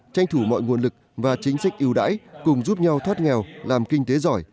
tranh thủ mọi nguồn lực và chính sách yêu đãi cùng giúp nhau thoát nghèo làm kinh tế giỏi